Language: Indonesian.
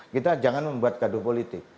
kita jangan membuat gaduh politik